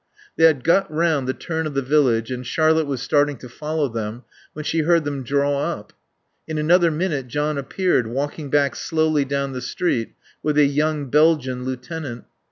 They had got round the turn of the village and Charlotte was starting to follow them when she heard them draw up. In another minute John appeared, walking back slowly down the street with a young Belgian lieutenant.